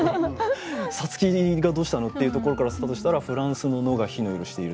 「皐月がどうしたの？」っていうところからスタートしたら「仏蘭西の野が火の色している」。